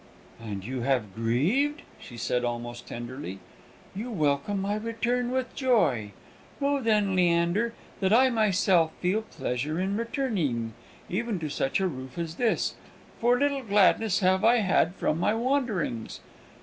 "And you have grieved?" she said almost tenderly. "You welcome my return with joy! Know then, Leander, that I myself feel pleasure in returning, even to such a roof as this; for little gladness have I had from my wanderings.